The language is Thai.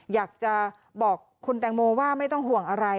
อยากจะบอกคุณแตงโมว่าไม่ต้องห่วงอะไร